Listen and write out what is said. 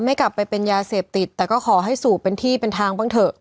ไม่กลับไปเป็นยาเสพติดแต่ก็ขอให้สูบเป็นที่เป็นทางบ้างเถอะ